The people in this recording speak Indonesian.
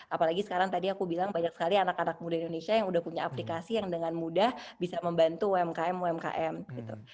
apalagi sekarang tadi aku bilang banyak sekali anak anak muda indonesia yang udah punya aplikasi yang dengan mudah bisa membantu umkm umkm gitu